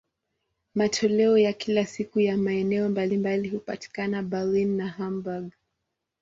Matoleo ya kila siku ya maeneo mbalimbali hupatikana Berlin na Hamburg.